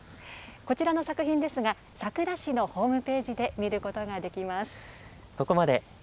こちらの作品は佐倉市のホームページで見ることができます。